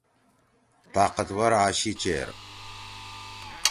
طاقتور آشی چیر۔